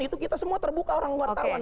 itu kita semua terbuka orang wartawan